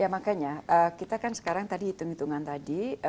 ya makanya kita kan sekarang tadi hitung hitungan tadi